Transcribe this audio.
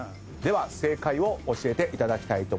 正解を教えていただきたいと。